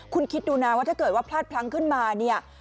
คุณคิดดูนะว่าถ้าเกิดว่าพลาดพลั้งขึ้นมาเนี่ย